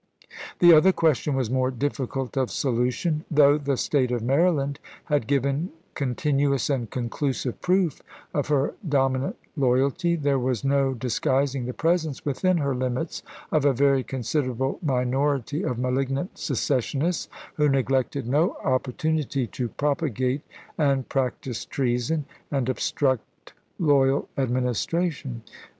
The other question was more difficult of solution. Though the State of Maryland had given continu ous and conclusive proof of her dominant loyalty, there was no disguising the presence within her limits of a very considerable minority of malignant secessionists, who neglected no opportunity to propagate and practice treason, and obstruct loyal administration.